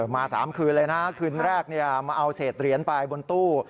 มา๓คืนเลยนะคืนแรกมาเอาเศษเหรียญไปบนตู้